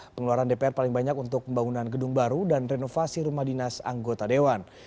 pengeluaran dpr paling banyak untuk pembangunan gedung baru dan renovasi rumah dinas anggota dewan